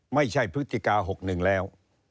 ไม่ใช่พฤติกา๖๑แล้ว